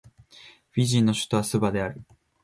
フィジーの首都はスバである